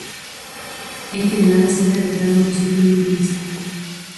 É que de nada serve adoptar unha posición vitimista.